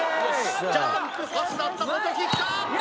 ジャンプパスだった元木きた！